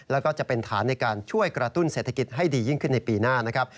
แล้วก็จะเป็นฐานในการช่วยกระตุ้นเศรษฐกิจให้ดียิ่งขึ้นในปีหน้านะครับ